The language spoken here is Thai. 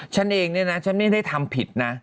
ฉันเองเนี่ยนะฉันไม่ได้ทำผิดนะ